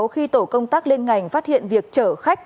khi tổ công tác liên ngành phát hiện việc chở khách